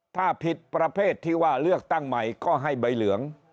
ถ้าผิดประเภทที่ว่าเลือกตั้งใหม่ก็ให้ใบเหลือง